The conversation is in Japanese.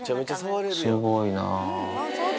すごいな。